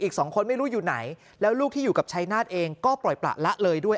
อีกสองคนไม่รู้อยู่ไหนแล้วลูกที่อยู่กับชายนาฏเองก็ปล่อยประละเลยด้วย